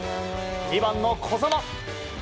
２番の小園。